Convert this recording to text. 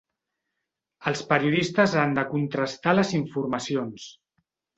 Els periodistes han de contrastar les informacions.